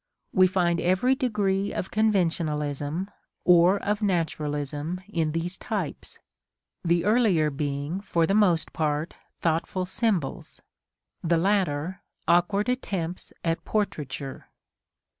We find every degree of conventionalism or of naturalism in these types, the earlier being, for the most part, thoughtful symbols; the latter, awkward attempts at portraiture.